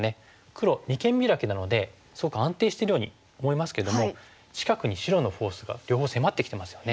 黒二間ビラキなのですごく安定してるように思いますけども近くに白のフォースが両方迫ってきてますよね。